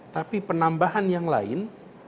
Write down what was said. tapi penambahan yang lain